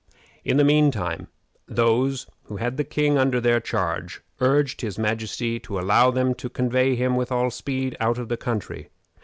In the mean time, those who had the king under their charge urged his majesty to allow them to convey him with all speed out of the country.